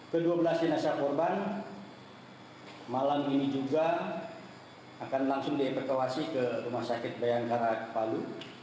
kedua belas jenazah korban malam ini juga akan langsung dievakuasi ke rumah sakit bayangkara palu